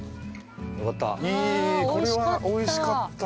これはおいしかった。